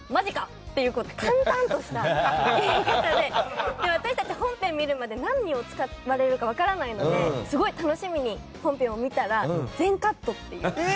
っていう淡々とした言い方で私たち本編を見るまで何を使われるか分からないのですごい楽しみに本編を見たら全カットという。